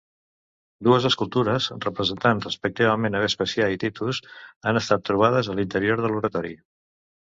Dues escultures representant respectivament a Vespasià i Titus, han estat trobades a l'interior de l'oratori.